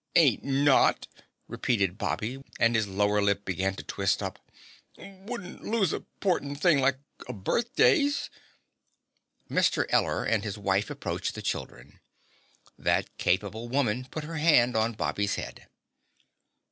"Ain't not," repeated Bobby and his lower lip began to twist up. "Wouldn't lose a 'portant thing like a birthdays." Mr. Eller and his wife approached the children. That capable woman put her hand on Bobby's head.